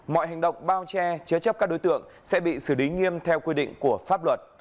mọi hành động bao che chứa chấp các đối tượng sẽ bị xử lý nghiêm theo quy định của pháp luật